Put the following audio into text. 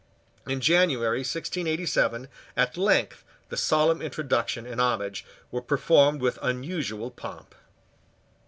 In January 1687, at length, the solemn introduction and homage were performed with unusual pomp.